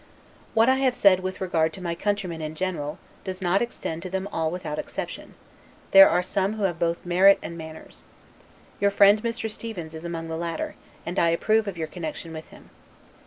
What I have said with regard to my countrymen in general, does not extend to them all without exception; there are some who have both merit and manners. Your friend, Mr. Stevens, is among the latter; and I approve of your connection with him.